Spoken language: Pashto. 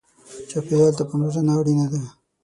چاپېریال ته پاملرنه اړینه ده.